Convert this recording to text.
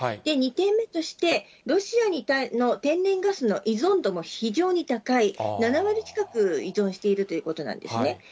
２点目として、ロシアの天然ガスの依存度も非常に高い、７割近く依存しているということなんですね。